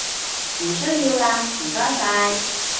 唔需要喇唔該晒